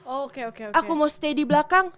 oke oke aku mau stay di belakang